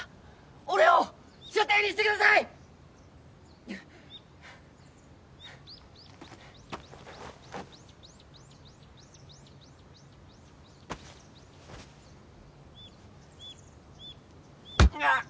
俺を舎弟にしてください！んがっ！